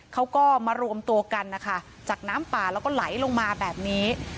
เขาก็มารวมตัวกันนะคะจากน้ำป่าแล้วก็ไหลลงมาแบบนี้